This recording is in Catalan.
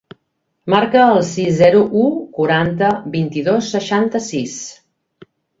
Marca el sis, zero, u, quaranta, vint-i-dos, seixanta-sis.